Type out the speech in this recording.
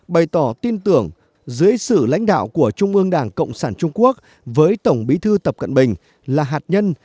bày tỏ tin tưởng dưới sự lãnh đạo của trung ương đảng cộng sản trung quốc với tổng bí thư tập cận bình là hạt nhân